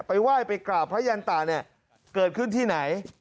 ไหว้ไปกราบพระยันตะเนี่ยเกิดขึ้นที่ไหน